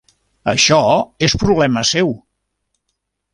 Això és problema seu .